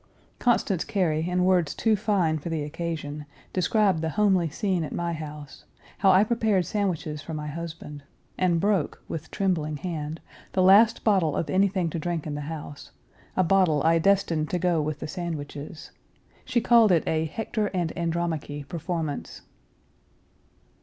Constance Cary, in words too fine for the occasion, described the homely scene at my house; how I prepared sandwiches for my husband; and broke, with trembling hand, the last bottle of anything to drink in the house, a bottle I destined to go with the sandwiches. She called it a Hector and Andromache performance.